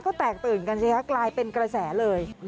ก็แตกตื่นกันสิคะกลายเป็นกระแสเลย